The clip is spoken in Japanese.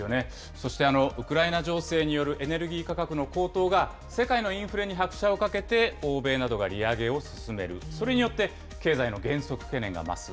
そしてウクライナ情勢によるエネルギー価格の高騰が、世界のインフレに拍車をかけて、欧米などが利上げを進める、それによって、経済の減速懸念が増す。